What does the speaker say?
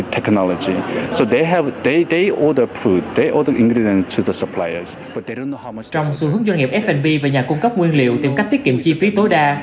trong xu hướng doanh nghiệp f b và nhà cung cấp nguyên liệu tìm cách tiết kiệm chi phí tối đa